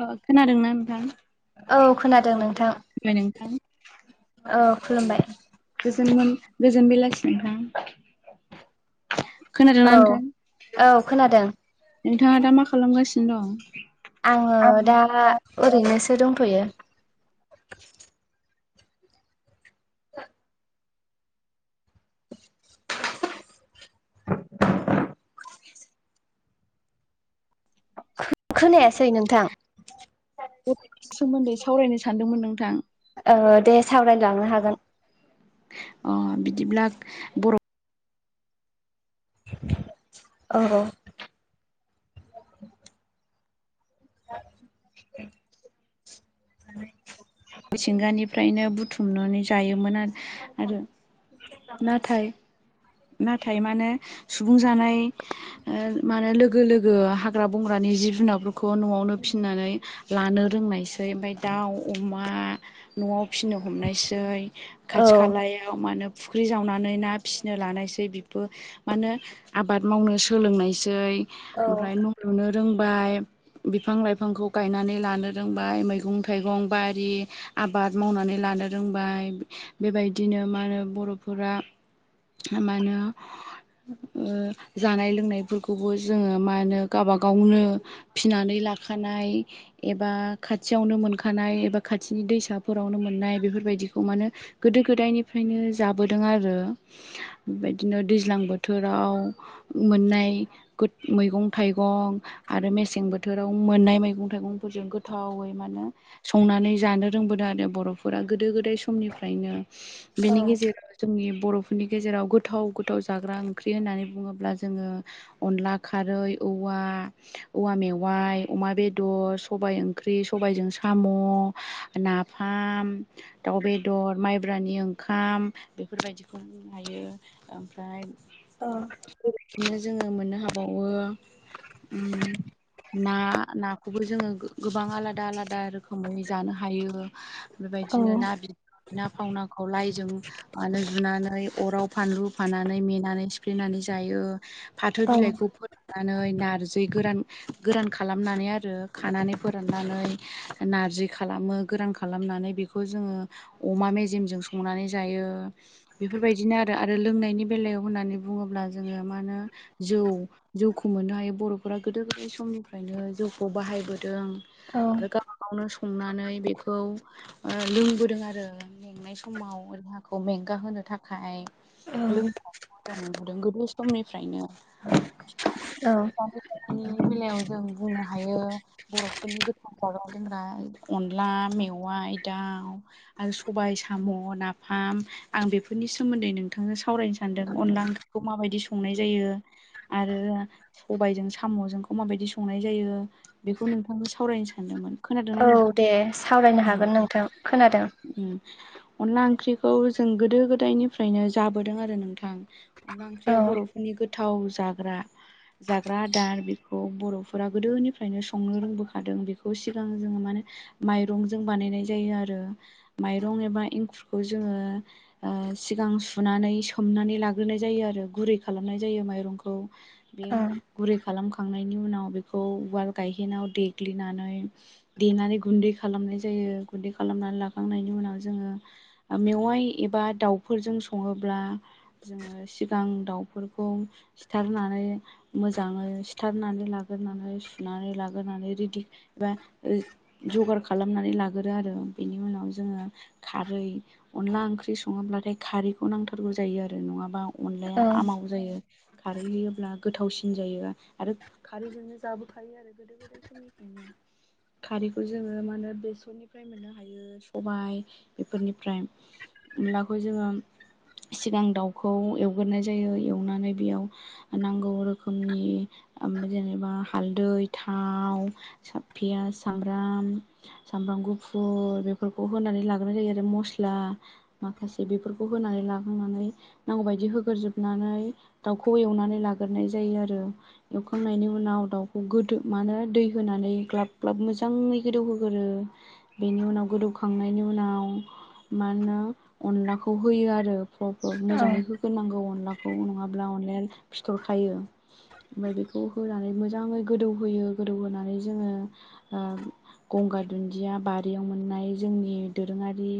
ओ खोनादोंना नोंथां औ खोनादों नोंथां खुलुमबाय नोंथां औ खुलुमबाय गोजोन मोन गोजोन बेलासि नोंथां खोनादोंना औ नोंथां? औ खोनादों नोंथाङा दा मा खालामगासिनो दं? आङो दा ओरैनोसो दंथ'यो खोनायासै नोंथां उद सोमोन्दै सावरायनो सानदोंमोन नोंथां। ओ दे सावरायलांनो हागोन। अ बिदिब्ला बर' औ। [unintelligible] [unintelligible] मिथिंगानिफ्रायनो बुथुमनानै जायोमोन आरो। आरो नाथाय। नाथाय मानो सुबुं जानाय ओ मानो लोगो लोगो हा ग्रा बंग्रानि जिब जुनारफोरखौ न'आवनो फिनानै लानो रोंनायसै। ओमफाय दाउ अमा। ना न'आव फिनो हमनायसै। औ औ खाथि खालायाव मानो फुख्रि जावनानै ना फिसिनो लानायसै। बिबो मा होनो आबाद मावनो सोलोंनायसै। औ ओमफ्राय लुनो रोंबाय बिफां- लाइफांखौ गायनानै लानो रोंबाय। मैगं थाइगं बाय दि आबाद मावनानै लानो रोंबाय। बेबायदिनो मा होनो बर'फोरा मा होनो ओ जानाय लोंनायफोरखौबो जोङो मा होनो गाबा गावनो फिनानै लाखानाय। एबा खाथियावनो मोनखानाय। एबा खाथिनि दैसाफोरावनो मोननाय। बेफोरबायदिखौ मानो गोदो गोदायनिफ्रायनो जाबोदों आरो। बेबायदिनो दैज्लां बोथोराव। मोननाय गोद मैगं थाइगं। आरो मेसें बोथोराव मोननाय मैगं थाइगंफोरजों गोथावै मानो संनानै जा नो रोंबोदों आरो बर'फोरा गोदो गोदाय समनिफ्रायनो। औ बेनि गेजेराव जोंनि बर'फोरनि गेजेराव गोथाव गोथाव जाग्रा ओंख्रि होननानै बुङोब्ला जोङो। अनला खारै औवा। मेवाइ अमा बेदर सबाय ओंख्रि सबायजों साम'। नाफाम दाउ बेदर माइब्रानि ओंखाम। बेफोरबायदिखौ हायो। ओमफ्राय अ बेबायदिनो जोङो मोननो हाबावो। उम ना नाखौबो जोङो गोबां आलादा आलादा रोखोमै जानो हायो। बेबायदिनो ना बि ना फावनाखौ लाइ जों जा मानै जुनानै अराव फानलु फाननानै मेनानै सिफ्लेनानै जायो। फाथो औ बिलाइखौ फोरान नानै नारजै गोरान गोरान खालामनानै आरो खानानै फोराननानै नारजि खालामो गोरान खालामनानै बेखौ जोङो अमा मेजेमजों संनानै जायो। बेफोरबायदिनो आरो। आरो लोंनायनि बेलायाव होननानै बुङोब्ला जोङो मा होनो। जौ जौखौ मोननो हायो। बर'फोरा गोदो गोदाय समनिफ्रायनो जौखौ बाहायबोदों। औ आरो गावबा गावनो संनानै बेखौ लोंबोदों आरो। मेंनाय समाव देहाखौ मेंगााहोनो थाखाय। आय लोंनायखौ लोगो मोनबोदों गोदो समनिफ्रायनो। औ नि बेलायाव जों बुंनो हायो। बर'फोरनि गोथाव जाग्रा लोंग्रा अनला मेवाइ दाउ। आरो सबाय साम' नाफाम आं बेफोरनि सोमोन्दै नोंथांजों सावरायनो सानदों अनला ओंखि् खौ माबायदि संनाय जायो। आरो सबायजों साम'जोंखौ माबायदि संनाय जायो। बेखौ नोंथांनो सावरायनो सानदोंमोन। खोनादों औ ना नोंथां। दे सावरायनो हागोन नोंथां खोनादों। उम अनला ओंख्रिखौ जों गोदो गोदायनिफ्रायनो जाबोदों आरो नोंथां। अनला औ ओंख्रिया बर'फोरनि गोथाव जाग्रा। जाग्रा आ दार बेखौ बरफोरा गोदोनिफ्रायनो संनो रोंबोखादों बेखौ सिगां जोङो मा होने। माइरंजों बानायनाय जायो आरो माइरं एबा एंखुरखौ जोङो। ओ-सिगां सुनानै सोमनानै लाग्रोनाय जायो आरो गुरै खालामनाय जायो माइरंखौ। बे औ गुरै खालामखांनायनि उनाव बेखौ उवाल गायहेनाव देग्लिनानै। देनानै गुन्दै खालामनाय जायो गुन्दै खालामनानै लाखांनायनि उनाव जोङो। मेवाइ एबा दाउफोरजों सङोब्ला। जोङो सिगां दाउफोरखौ। सिथारनानै मोजाङै सिथारनानै लाग्रोनानै सुनानै लाग्रानै रेडि। एबा ओ-जगार खालामनानै लागोरो आरो बेनि उनाव जोङो। खारै अनला ओंख्रि सङोब्लाथाय खारैखौ नांथारगौ जायो आरो नङाबा। अनलाया औ आमाव। जायो खारै होयोब्ला गोथावसिन जायो आरो खारैजोंनो जाबोखायो आरो। गोदो गोदाय समनिफ्रायनो खारैखौ जोङो मा होनो बेसरनिफ्राय मोनो थायो सबाय बेफोरनिफ्राय अनलाखौ जोङो। सिगां दाउखौ एवग्रोनाय जायो एवनानै बेयाव। नांगौ रोखोमनि जेनेबा हालदै थाव। साफिया सामब्राम। सामब्राम गुफुर बेफोरखौ होनानै लाग्रोनाय जायो आरो मस्ला। माखासे बेफोरखौ होनानै लाखांनानै। नांगौबायायदि होग्रोजोबनानै दाउखौ एवनानै लाग्रोनाय जायो आरो। एवखांनायनि उनाव दाउखौ गोदो मानो दै होनानै ग्लाब ग्लाब मोजाङै गोदौहो गोरो बेनि उनाव गोदौखांनायनि उनाव मा होनो अनलाखौ होयो आरो। फ औ मोजाङै होग्रोनांगौ अनलाखौ नङाब्ला अनलाया फिथरखायो। ओमफ्राय बेखौ होनानै मोजाङै गोदौहोयो गोदौहोनानै जोङो। गंगार दुन्दिया बारियाव मोननाय जोंनि दोरोङारि।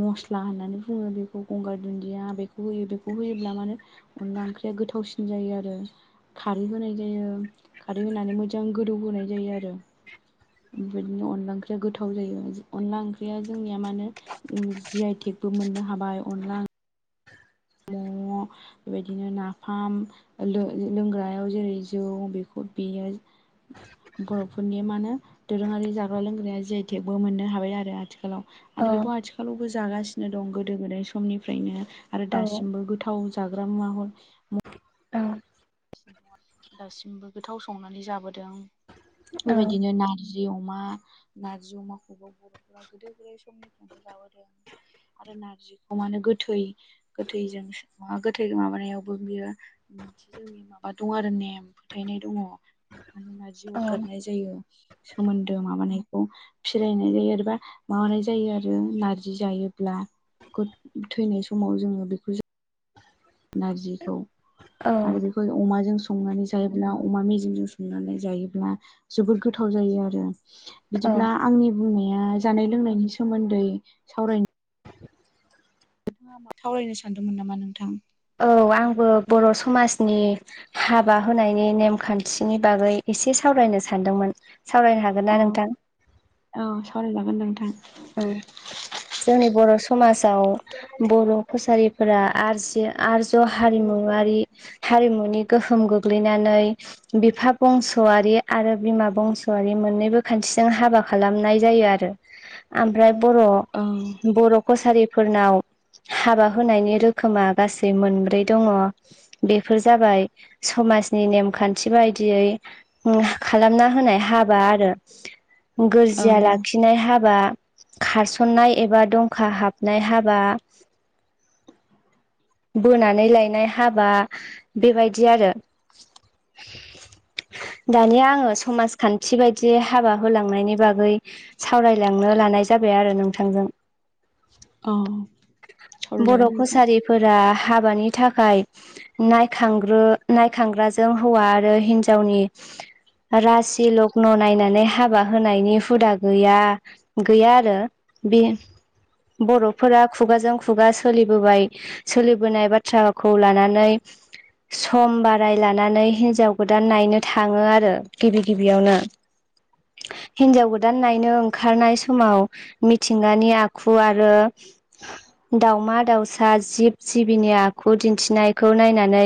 मस्ला होननानै बुङो बेखौ गंगार दुन्दिया बेखौ होयो बेखौ होयोब्ला माने अनला ओंख्रिया गोथावसिन जायो आरो। खारै होनाय जायो खारै होनानै मोजां गोदौ होनोनाय जायो आरो ओमफाय बिदिनो अनला ओंख्रिया गोथाव जायो अनला ओंख्रिया जोंनिया मानो। जि आइ टेकबो मोननो हाबाय अनला। बेबायदिनो नाफाम लो-लोंग्रायाव जेरै जौ बेखौ बेयो बरफोरनि मा होनो। दोरोङारि जाग्रा लोंग्राया जिआइ टेकबो मोननो हाबाय आरो आथिखालाव। औ आरो बेखौ आथिखालावबो जागासिनो दं गोदो गोदाय समनिफ्रायनो आरो औ दासिमबो। थाव जाग्रा मुवा ह औ दासिमबो गोथाव संनानै जाबोदों बेबायदिनो नार जि अमा नारजि अमाखौबो बरफोरा गोदो गोदाय समनिफ्रायनो जाबोदों। आरो नारजिखौ मानो गोथै। गोथैजों मा गोथै माबानायावबो बियो मिथि। जोंनि माबा दङ आरो नेम फोथायनाय दङ नारजि औ अरगारनाय जायो। सोमोन्दो माबानायखौ। फिरायनाय जायो आरोबा माबानाय जायो आरो नारजि जायोब्ला। खुद थैनाय समाव जोङो बेखौ ज नारजिखौ आरो बे। औ बे अमाजों संनानै जायोब्ला अमा मेजेमजों संनानै जायोब्ला। जोबोर गोथाव जायो आरो औ बिदिब्ला आंनि बुंनाया जानाय लोंनायनि सोमोन्दै सावरायनो सावरायनो सानदोंमोन नामा नोंथां? औ आंबो बर समाजनि हाबा होनायनि नेमखान्थिनि बागै एसे सावरायनो सानदोंमोन सावरायनो हागोन गोन ना अ नोंथां? औ सावरायजागोन नोंथां ओ जोंनि बर समाजाव बर कसारिफोरा आरजि आरज्य हारिमुवारि हारिमुनि गोहोम गोग्लैनानै बिफा बंसआारि आरो बिमा बंसआारि मोननैबो खान्थिजों हाबा खालामनाय जायो आरो। ओमफ्राय बर अह बर कसारिफोरनाव हाबा होनायनि रोखोमा गासै मोनब्रै दङ। बेफोर जाबाय समाजनि नेमखान्थि बायदियै ओम खालामना होनाय हाबा आरो। औ गोरजिया लाखिनाय हाबा खारसननाय एबा दंखा हाबनाय हाबा बोनानै लायनाय हाबा बेबायदि आरो। [inaudible] दानिया आङो समाजखान्थि बायदियै हाबा होलांनायनि बागै सावरायलांनो लानाय जाबाय आरो नोंथांजों। औ बर सावरायजागोन नोंथां कसारिफोरा हाबानि थाखाय नायख्रांग्रो नायखांग्राजों हौवा आरो हिन्जावनि रासि लग्न नायनानै हाबा होनायनि हुदा गैया गैया आरो बे बर'फोरा खुगाजों खुगा सोलिबोबाय सोलिबोनाय बाथ्राखौ लानानै सम बाराय लानानै हिनजाव गोदान नायनो थाङो आरो गिबि गिबियावनो [inaudible] हिनजाव गोदान नायनो ओंखारनाय समाव मिथिंगानि आखु आरो दावमा दाउसा जिब जिबिनि आखु दिन्थिनायखौ नायनानै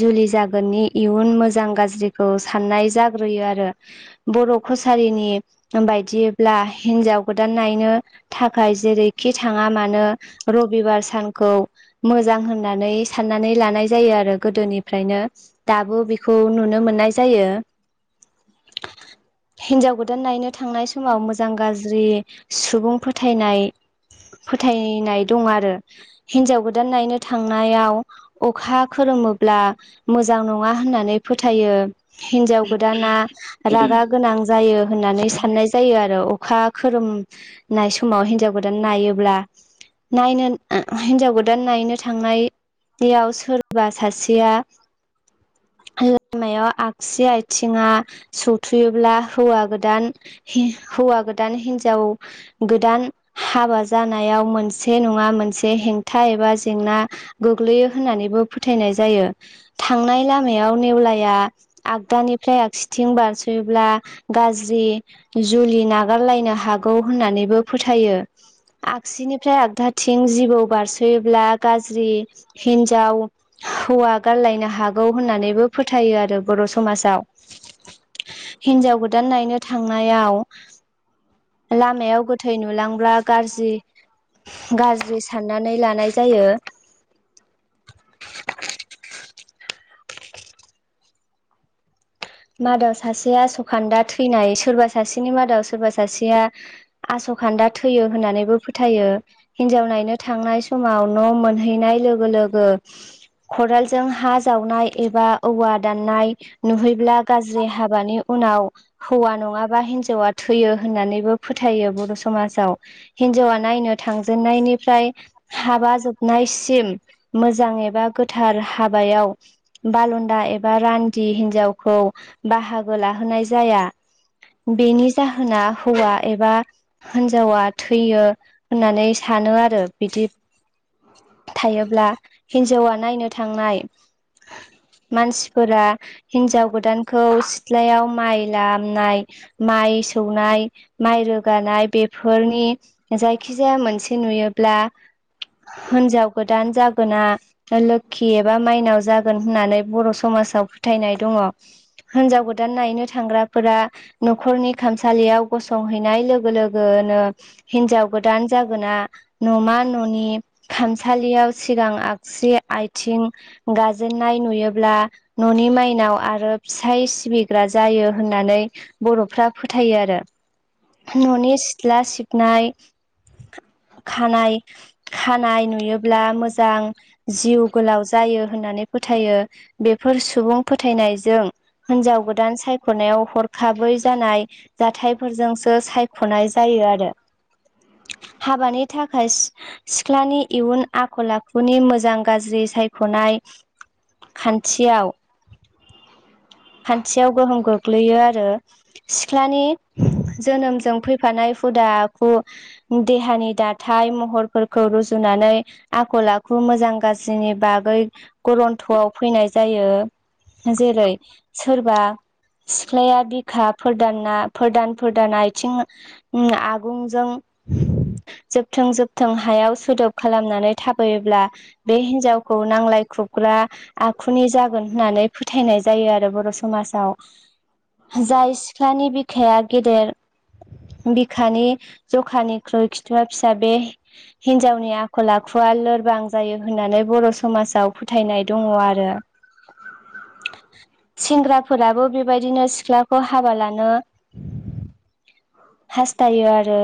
जुलि जागोननि इयुन मोजां गाज्रिखौ साननाय जाग्रोयो आरो। बर कसारिनि बायदिब्ला हिनजाव गोदान नायनो थाखाय जेरैखि थाङा मानो रबिबार सानखौ मोजां होननानै साननानै लानाय जायो आरो गोदोनिफ्रायनो दाबो बेखौ नुनो मोननाय जायो। [inaudible] हिनजाव गोदान नायनो थांनाय समाव मोजां गाज्रि सुबुं फोथायनाय फोथायनाय दं आरो हिन्जाव गोदान नायनो थांनायाव अखा खोरोमोब्ला मोजां नङा होननानै फोथायो। हिन्जाव गोदाना रागा गोनां जायो होननानै साननाय जायो आरो अखा खोरोम नाय समाव हिनजाव गोदान नायोब्ला नायनो हिनजाव गोदान दान नायनो थांनायनियाव सोरबा सासेया लामायाव आगसि आथिङा सौथुयोब्ला हौवा गोदान हि हौवा गोदान हिनजाव गोदान हाबा जानायाव मोनसे नङा मोनसे हें एबा जेंना गोग्लैयो होननानैबो फोथायनाय जायो थांनाय लामायाव नेवला या आगदानिफ्राय आगसिथिं बारस'योब्ला गाज्रि जुलि नागारलायनो हागौ होननानैबो फोथायो आगसिनिफ्राय आगदाथिं जिबौ बारसोयोब्ला गाज्रि हिन्जाव हौवा गारलायनो हागौ होननानैबो फोथायो आरो बर' समाजाव हिन्जाव गोदान नायनो थांनायाव लामायाव गोथै नुलांब्ला गाज्रि गाज्रि साननानै लाां ज मादाव सासेया सखान्दा थैनाय सोरबा सासेनि मादाव सोरबा सासेया आस'खान्दा थैयो होननानैबो फो थ हिनजाव नायनो थांनाय समाव न' मोनहैनाय लोगो लोगो खदालजों हा जावनाय एबा औवा दाननाय नुहैब्ला गाज्रि हाबानि उनाव हौवा नङाबा हिनजावा थैयो होननानैबो फोथायो बर' समाजाव हिनजावा नायनो थांजेननायनिफ्राय हाबा जोबनायसिम मोजां एबा गोथार हाबायाव बालन्दा एबा रान्दि हिन्जावखौ बाहागो लाहोनाय जाया बेनि जाहोना हौवा एबा‌ हिनजावा थैयो होननानै सानो आरो बिदि थायोब्ला हिन्जावा नायनो थांनाय मानसिफोरा हिन्जाव गोदानखौ सिथ्लायाव माइ लामनाय माइ सौनाय माइ रोगानाय बेफोरनि जायखिजाया मोनसे नुयोब्ला हिनजाव गोदान जागोना लोखि एबा माइनाव जागोन होननानै बर' समाजाव फोथायनाय दङ हिनजाव गोदान नायनो थांग्राफोरा न'खरनि खामसालियाव गसंहैनाय लोगो लोगोनो हिन्जाव गोदान जागोना न'मा न'नि खामसालियाव सिगां आगसु आथिं गाजेननाय नुयोब्ला न'नि माइनाव आरो फिसाय सिबिग्रा जायो होननानै बर'फ्रा फोथायो आरो न'नि सिथ्ला सिबनाय खानाय खानाय नुयोब्ला मोजां जिउ गोलाव जायो होननानै फोथायो बेफोर सुबुं फोथायनायजों हिनजाव गोदान साय सायख'नायाव हरखाबै जानाय जाथायफोरजोंसो सायख'नाय जायो आरो हाबानि थाखाय सिख्लानि इयुन आखल आखुनि मोजां गाज्रि सायख'नाय खान्थियाव खान्थियाव गोहोम गोग्लैयो आरो सिख्लानि जोनोमजों फैफानाय हुदा देहानि दाथाय महरफोरखौ रुजुनानै आखल आखु मोजां गाज्रिनि बागै गरन्थ'आव फैनाय जायो जेरै सोरबा सिख्लाया बिखाफोरदाना फोरदानफोरदान आथिं आगुंजों जोबथों जोबथों हायाव सोदोब खालामनानै थाबोैयोब्ला बे हिनजावखौ नांज्लाय खुबग्रा आखुनि जागोन होननानै फोथायनाय जायो आरो बर समाजाव जाय सिख्लानि बिखाया गेदेर खानि जखानिख्रुइ खिथुवा फिसा बे हिन्जावनि आखल आखुआ लोरबां जायो होननानै बर' समाजाव फोथायनाय दङ आरो [inaudible] सेंग्राफोराबो बेबायदिनो सिख्लाखौ हाबा लानो हास्थायो आरो